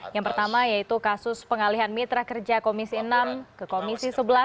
yang pertama yaitu kasus pengalihan mitra kerja komisi enam ke komisi sebelas